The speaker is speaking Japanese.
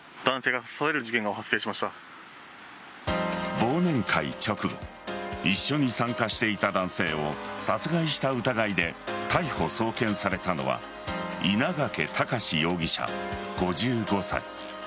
忘年会直後一緒に参加していた男性を殺害した疑いで逮捕・送検されたのは稲掛躍容疑者、５５歳。